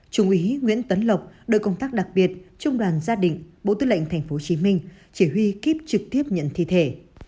trung úy nguyễn tấn lộc đội công tác đặc biệt trung đoàn gia đình bộ tư lệnh tp hcm chỉ huy kiếp trực tiếp nhận thi thể